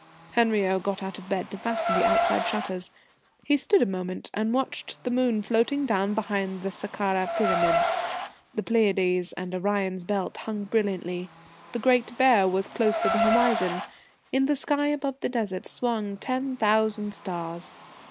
Henriot got out of bed to fasten the outside shutters. He stood a moment and watched the moon floating down behind the Sakkara Pyramids. The Pleiades and Orion's Belt hung brilliantly; the Great Bear was close to the horizon. In the sky above the Desert swung ten thousand stars.